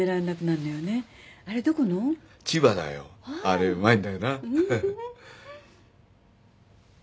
あれうまいんだよな。